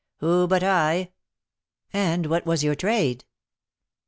Who but I " "And what was your trade?"